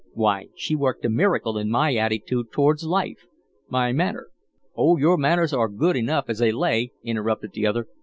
Why, she worked a miracle in my attitude towards life my manner " "Oh, your manners are good enough as they lay," interrupted the other.